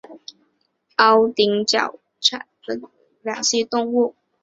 凹顶角蟾为角蟾科角蟾属的两栖动物。